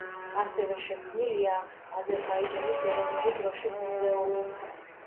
ასევე შექმნილია აზერბაიჯანის ეროვნული დროშის მუზეუმი.